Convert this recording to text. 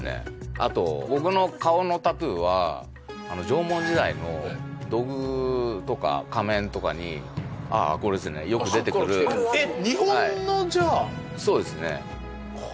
あと僕の顔のタトゥーは縄文時代の土偶とか仮面とかにああこれですねよく出てくるえっ！